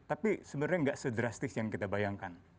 tapi sebenarnya nggak sedrastis yang kita bayangkan